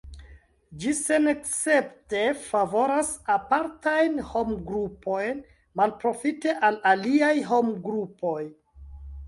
Ĝi senescepte favoras apartajn homgrupojn malprofite al aliaj homgrupoj.